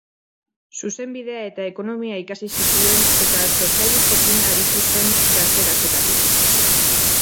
Zuzenbidea eta Ekonomia ikasi zituen eta sozialistekin aritu zen gazte-gaztetatik.